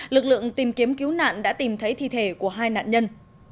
lực lượng tìm kiếm cứu nạn đã tìm thấy thi thể của hai nạn nhân